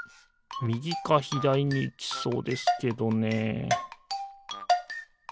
みぎかひだりにいきそうですけどね